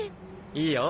いいよ